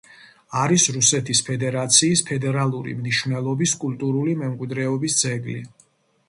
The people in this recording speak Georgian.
არის რუსეთის ფედერაციის ფედერალური მნიშვნელობის კულტურული მემკვიდრეობის ძეგლი.